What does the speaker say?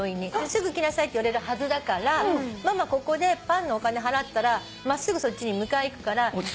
すぐ来なさいって言われるはずだからママここでパンのお金払ったら真っすぐそっち迎え行くから。